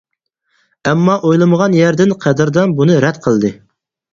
ئەمما ئويلىمىغان يەردىن قەدىردان بۇنى رەت قىلدى.